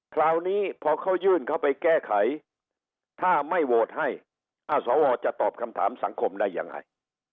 คราวนี้พอเขายื่นเข้าไปแก้ไขถ้าไม่โหวตให้อ้าวสวจะตอบคำถามสังคมได้ยังไง